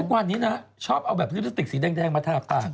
ทุกวันนี้นะชอบเอาแบบลิปสติกสีแดงมาทาปาก